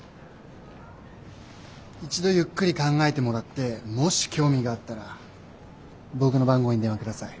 一度ゆっくり考えてもらってもし興味があったら僕の番号に電話下さい。